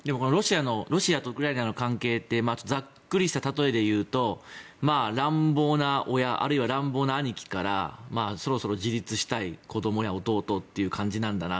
ロシアとウクライナの関係ってざっくりした例えで言うと乱暴な親あるいは乱暴な兄貴からそろそろ自立したい子どもや弟という感じなんだなと。